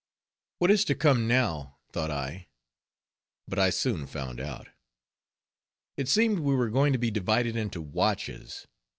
What is to come now, thought I; but I soon found out. It seemed we were going to be divided into watches.